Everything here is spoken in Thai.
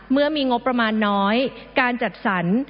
เมื่อมีงบประมาณน้อยการจัดสรร